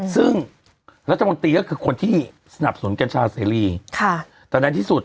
ซึ่งรัฐมนตรีก็คือคนที่สนับสนเกินชาเสรีตอนนั้นที่สุด